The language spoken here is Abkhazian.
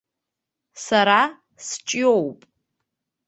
Сара сҷоууп.